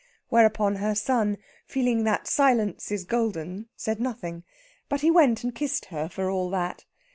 Whereupon her son, feeling that silence is golden, said nothing. But he went and kissed her for all that.